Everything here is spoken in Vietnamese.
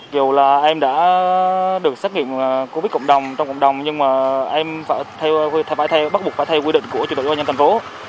kiểu là em đã được xét nghiệm covid cộng đồng trong cộng đồng nhưng mà em phải bắt buộc phải thay quy định của chủ tịch doanh nhân thành phố